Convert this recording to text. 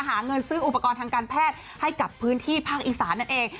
หาเงินซื้ออุปกรณ์ทางการแพทย์ให้กับพื้นที่ภาคอีสานนั่นเอง